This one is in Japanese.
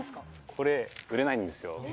これ、売れないんですよ。